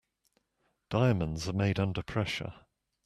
Diamonds are made under pressure.